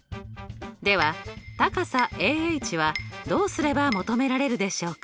では高さＡＨはどうすれば求められるでしょうか？